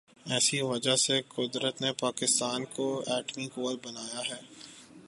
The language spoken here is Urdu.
اسی وجہ سے قدرت نے پاکستان کو ایٹمی قوت بنایا ہے۔